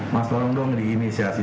mas tolong dong diinisiasi saya di bin